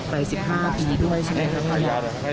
๘๕ปีด้วย